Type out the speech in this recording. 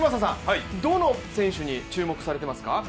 どの選手に注目されていますか？